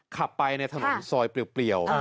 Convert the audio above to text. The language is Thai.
ขับไปในถนนซอยเปรียว